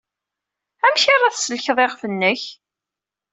Amek ara tsellkeḍ iɣef-nnek?